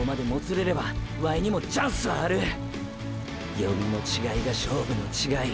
読みの違いが勝負の違い。